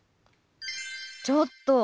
ちょっと！